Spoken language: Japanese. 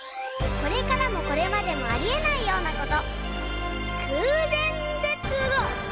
これからもこれまでもありえないようなこと。